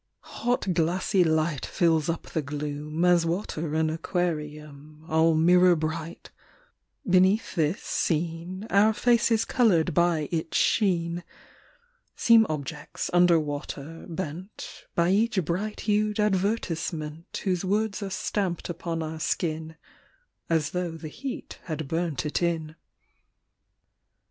Hot glassy light fills up the gloom As water an aquarium, All mirror bright ; beneath this seen Our faces coloured by its sheen Seem objects under water, bent By each bright hued advertisement Whose words are stamped upon our skin As though the heat had burnt it in.